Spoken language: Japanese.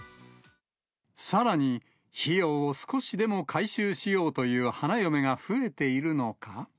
さらに費用を少しでも回収しようという花嫁が増えているのか。